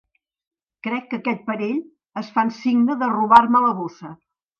Crec que aquest parell es fan signe de robar-me la bossa.